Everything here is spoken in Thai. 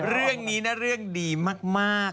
เรื่องนี้นะเรื่องดีมาก